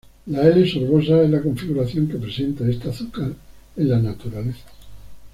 La L-sorbosa es la configuración que presenta este azúcar en la naturaleza.